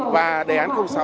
và đề án sáu